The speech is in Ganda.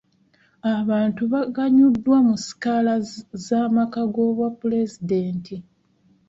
Abantu baganyuddwa mu sikaala z'amaka g'obwa pulezidenti.